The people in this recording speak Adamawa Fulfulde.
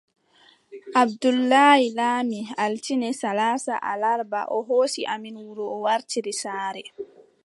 Abdoulaye laami, altine salaasa alarba, o hoosi amin wuro o wartiri saare.